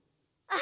あ。